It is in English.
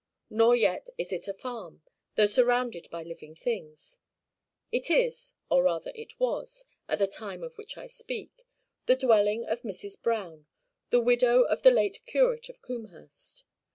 Nor yet is it a farm, though surrounded by living things. It is, or rather it was, at the time of which I speak, the dwelling of Mrs. Browne, the widow of the late curate of Combehurst.